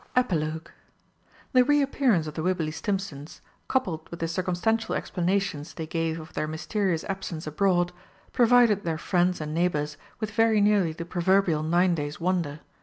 EPILOGUE The re appearance of the Wibberley Stimpsons, coupled with the circumstantial explanations they gave of their mysterious absence abroad, provided their friends and neighbours with very nearly the proverbial nine days' wonder.